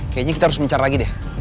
kayaknya kita harus mencar lagi deh